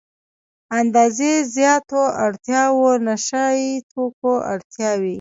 اندازې زياتو اړتیاوو نشه يي توکو اړتیا وي.